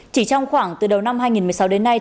chỉ trong khoảng từ đầu năm hai nghìn một mươi sáu đến nay